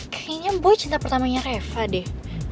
kayaknya bu cinta pertamanya reva deh